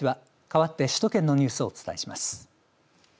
かわって首都圏のニュースをお伝えします。